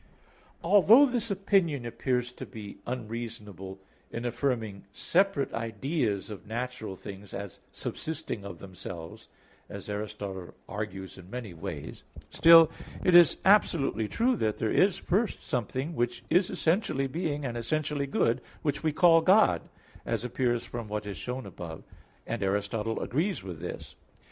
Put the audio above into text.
Although this opinion appears to be unreasonable in affirming separate ideas of natural things as subsisting of themselves as Aristotle argues in many ways still, it is absolutely true that there is first something which is essentially being and essentially good, which we call God, as appears from what is shown above (Q. 2, A. 3), and Aristotle agrees with this.